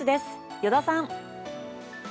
依田さん。